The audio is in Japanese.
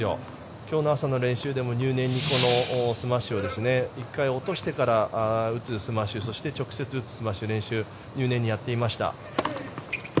今日の朝の練習でも入念にスマッシュを１回、落としてから打つスマッシュそして直接打つスマッシュの練習入念にやっていました。